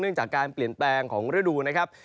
จากการเปลี่ยนแปลงของฤดูนะครับ